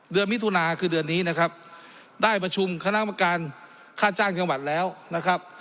มิถุนาคือเดือนนี้นะครับได้ประชุมคณะกรรมการค่าจ้างจังหวัดแล้วนะครับ